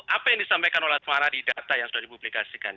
apa yang disampaikan oleh asmara di data yang sudah dipublikasikan